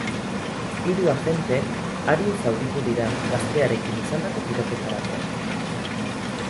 Hiru agente arin zauritu dira gaztearekin izandako tiroketa batean.